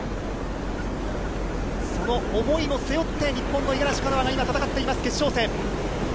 その思いも背負って、日本の五十嵐カノアが今、戦っています、決勝戦。